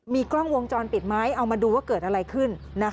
มีกล้องวงจรปิดไหมเอามาดูว่าเกิดอะไรขึ้น